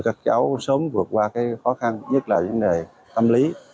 các cháu sớm vượt qua khó khăn nhất là vấn đề tâm lý